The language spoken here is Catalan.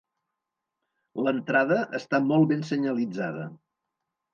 L'entrada està molt ben senyalitzada.